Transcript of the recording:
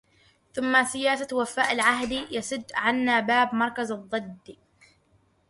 ثم سياسة وفاء العهدِ يسد عنا باب مكر الضِّدِ